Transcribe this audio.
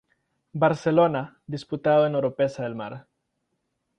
Barcelona, disputado en Oropesa del Mar.